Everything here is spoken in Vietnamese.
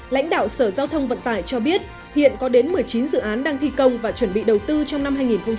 lãnh đạo sở giao thông vận tải cho biết hiện có đến một mươi chín dự án đang thi công và chuẩn bị đầu tư trong năm hai nghìn hai mươi